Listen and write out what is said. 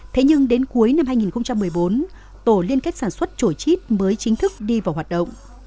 thế nhưng đến cuối năm hai nghìn một mươi bốn tổ liên kết sản xuất trổi chít mới chính thức đi vào hoạt động